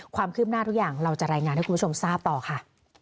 ความคืบหน้าทุกอย่างเราจะรายงานให้คุณผู้ชมทราบต่อค่ะ